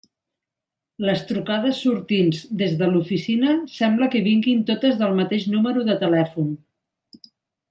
Les trucades sortints des de l'oficina sembla que vinguin totes del mateix número de telèfon.